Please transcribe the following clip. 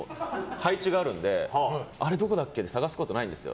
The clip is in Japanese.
配置があるのであれどこだっけって捜すことないんですよ。